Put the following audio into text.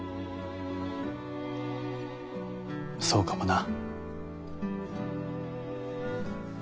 そうかもな。